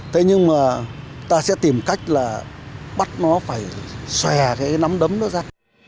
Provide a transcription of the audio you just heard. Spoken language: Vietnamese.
thế nhưng mà ta sẽ tìm cách là bắt nó phải xòe cái nắm đấm đó ra